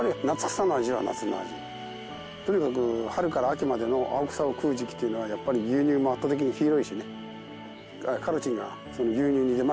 とにかく春から秋までの青草を食う時期っていうのはやっぱり牛乳も圧倒的に黄色いしね。